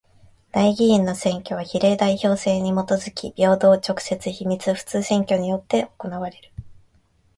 代議員の選挙は比例代表制にもとづき平等、直接、秘密、普通選挙によって行われる。